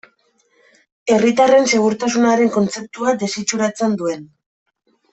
Herritarren segurtasunaren kontzeptua desitxuratzen duen.